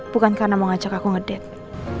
bukan karena mau ngajak aku nge dete